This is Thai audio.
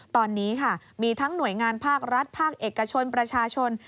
ตอนนี้ค่ะมีทั้งหน่วยงานภาครัฐภาคเอกชนประชาชน